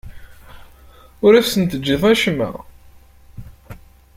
Ur asen-teǧǧiḍ acemma.